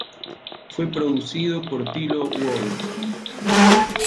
Fue producido por Tilo Wolff.